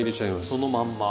そのまんま。